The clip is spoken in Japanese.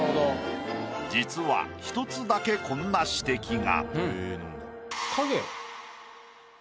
実は１つだけこんな指摘が。